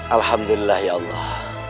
alhamdulillah ya allah